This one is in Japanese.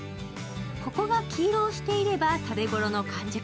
ここが黄色をしていれば食べ頃の完熟。